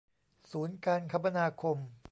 ศูนย์การคมนาคม